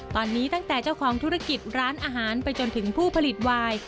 ตอนนี้ตั้งแต่เจ้าของธุรกิจร้านอาหารไปจนถึงผู้ผลิตวาย